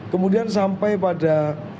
kemudian sampai pada